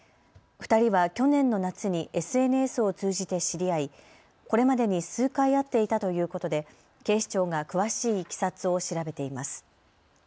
２人は去年の夏にＳＮＳを通じて知り合いこれまでに数回、会っていたということで警視庁が詳しいいきさつを調べています。